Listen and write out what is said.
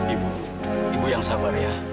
ibu ibu yang sabar ya